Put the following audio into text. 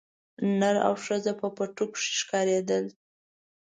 نر او ښځي په پټو کښي ښکارېدل